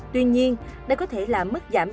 tuy nhiên đây có thể là mức tính của các sở y tế